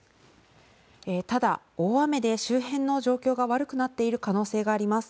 ただ、大雨で周辺の状況が悪くなっている可能性があります。